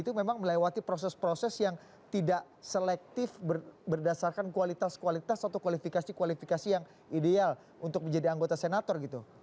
itu memang melewati proses proses yang tidak selektif berdasarkan kualitas kualitas atau kualifikasi kualifikasi yang ideal untuk menjadi anggota senator gitu